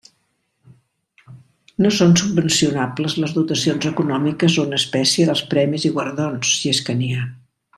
No són subvencionables les dotacions econòmiques o en espècie dels premis i guardons, si és que n'hi ha.